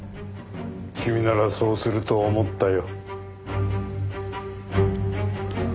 君ならそうすると思ったよ。